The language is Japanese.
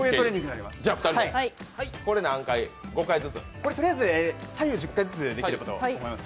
これはとりあえず左右１０回ずつできればと思います。